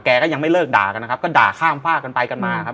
ก็ยังไม่เลิกด่ากันนะครับก็ด่าข้ามฝากกันไปกันมาครับ